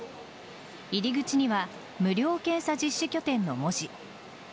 入り口には無料検査実施拠点の文字。